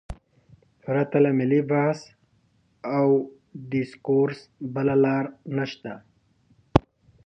پرته له ملي بحث او ډیسکورس بله لار نشته.